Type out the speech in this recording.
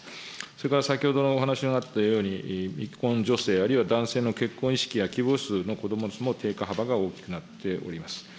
それから先ほどのお話にあったように、未婚女性あるいは男性の結婚意識や希望する子どもの数の低下幅が大きくなっております。